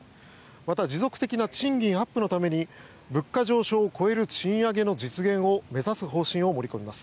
また持続的な賃金アップのために物価上昇を超える賃上げの実現を目指す方針を盛り込みます。